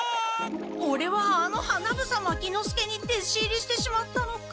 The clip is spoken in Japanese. オレはあの花房牧之介にでし入りしてしまったのか。